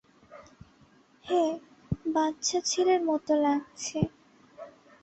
হ্যাঁ, বাচ্চা ছেলের মতো লাগছে।